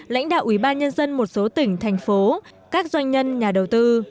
lãnh đạo ủy ban nhân dân một số tỉnh thành phố các doanh nhân nhà đầu tư